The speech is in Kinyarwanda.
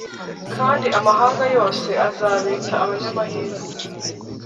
Kandi amahanga yose azabita abanyamahirwe